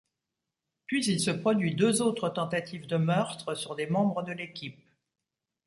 Puis il se produit deux autres tentatives de meurtre sur des membres de l'équipe.